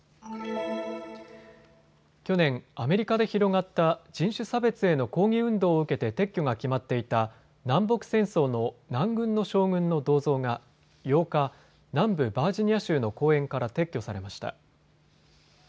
去年、アメリカで広がった人種差別への抗議運動を受けて撤去が決まっていた南北戦争の南軍の将軍の銅像が８日、南部バージニア州の公園から撤去されました。